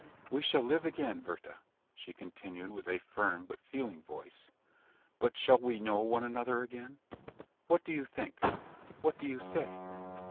We shall live again, Werther!" she continued, with a firm but feeling voice; "but shall we know one another again what do you think? what do you say?"